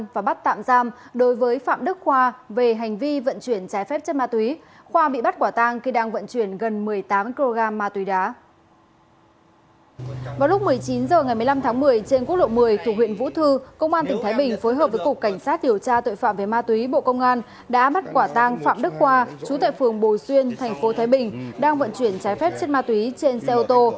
vào lúc một mươi chín h ngày một mươi năm tháng một mươi trên quốc lộ một mươi thuộc huyện vũ thư công an tỉnh thái bình phối hợp với cục cảnh sát điều tra tội phạm về ma túy bộ công an đã bắt quả tang phạm đức khoa chú tại phường bồi xuyên thành phố thái bình đang vận chuyển trái phép trên ma túy trên xe ô tô